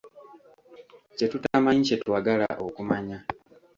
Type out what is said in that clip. Kye tutamanyi, kye twagala okumanya.